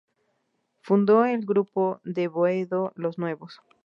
Fundó el "Grupo de Boedo Los Nuevos".